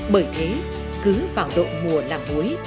bởi thế cứ vào độ mùa làng muối